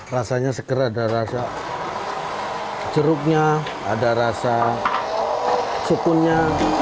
rasanya seger ada rasa jeruknya ada rasa sukunnya